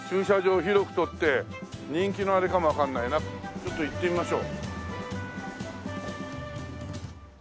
ちょっと行ってみましょう。